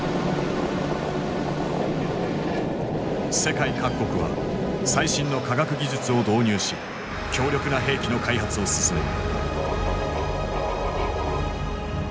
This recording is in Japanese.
世界各国は最新の科学技術を導入し強力な兵器の開発を進める。